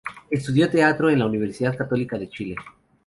Estudió teatro en la Universidad Católica de Chile.